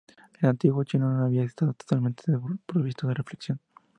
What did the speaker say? El antiguo chino no habría estado totalmente desprovisto de flexión.